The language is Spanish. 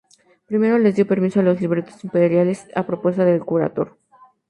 Primero les dio permiso a los libertos imperiales, a propuesta del curator.